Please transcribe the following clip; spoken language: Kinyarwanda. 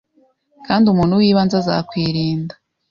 kandi umuntu wibanze azakwirinda